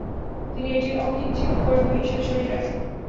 তিনি এটি অকিঞ্চিৎকর বই হিসেবে সরিয়ে রাখেন।